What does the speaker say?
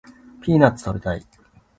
ピーナッツ食べたい